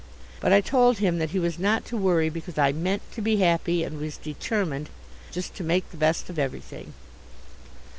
But I told him that he was not to worry, because I meant to be happy, and was determined just to make the best of everything.